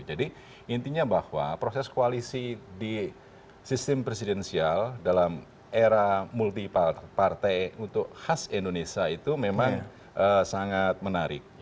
jadi intinya bahwa proses koalisi di sistem presidensial dalam era multi partai untuk khas indonesia itu memang sangat menarik